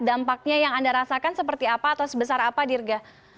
dampaknya yang anda rasakan seperti apa atau sebesar apa dirga